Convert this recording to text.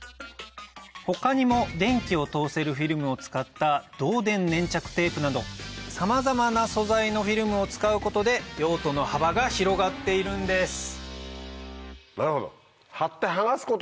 他にも電気を通せるフィルムを使った導電粘着テープなどさまざまな素材のフィルムを使うことで用途の幅が広がっているんですなるほど！